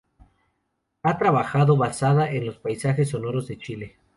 Ha trabajado basada en los paisajes sonoros de Chile.